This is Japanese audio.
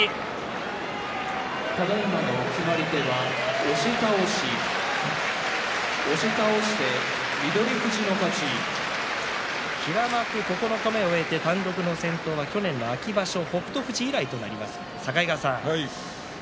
拍手平幕九日目を終えて単独の先頭は去年の秋場所、北勝富士以来となります。